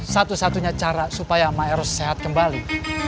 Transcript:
satu satunya cara supaya maeros sehat kembali